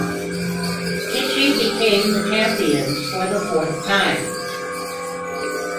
Kitchee became the champions for the fourth time.